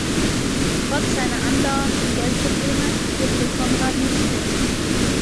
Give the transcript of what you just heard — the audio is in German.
Trotz seiner andauernden Geldprobleme lebte Konrad nicht schlecht.